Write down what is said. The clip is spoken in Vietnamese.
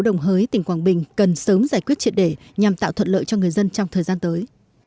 đồng hới tỉnh quảng bình cần sớm giải quyết triệt để nhằm tạo thuận lợi cho người dân trong thời gian tới